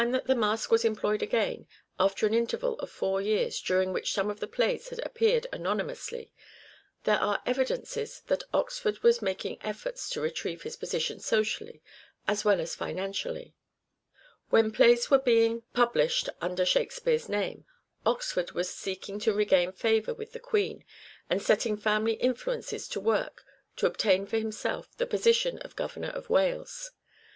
that the mask was employed again, after an interval of four years during which some of the plays had appeared anonymously, there are evidences that Oxford was making efforts to retrieve his position socially as well as financially. When plays were being 214 " SHAKESPEARE " IDENTIFIED published under Shakespeare's name, Oxford was seeking to regain favour with the Queen and setting family influences to work to obtain for himself the position of governor of Wales.